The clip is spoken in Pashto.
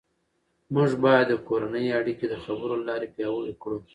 موږ باید د کورنۍ اړیکې د خبرو له لارې پیاوړې کړو